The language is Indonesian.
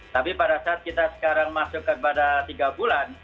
tapi pada saat kita sekarang masuk kepada tiga bulan